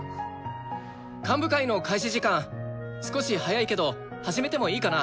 幹部会の開始時間少し早いけど始めてもいいかな？